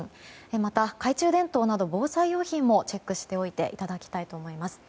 また、懐中電灯など防災用品もチェックしておいていただきたいと思います。